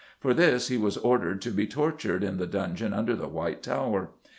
For this he was ordered to be tortured in the dungeon under the White Tower.